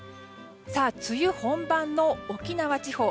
梅雨本番の沖縄地方